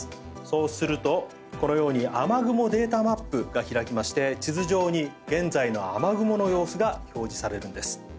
そうすると、このように雨雲データマップが開きまして地図上に現在の雨雲の様子が表示されるんです。